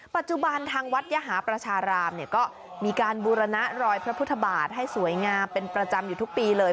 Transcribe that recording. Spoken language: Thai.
ปัจจุบันทางวัดยหาประชารามเนี่ยก็มีการบูรณะรอยพระพุทธบาทให้สวยงามเป็นประจำอยู่ทุกปีเลย